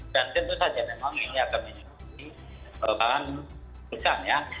dan tentu saja memang ini akan menyebabkan perhatian ya